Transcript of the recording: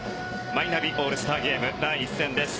マイナビオールスターゲーム第１戦です。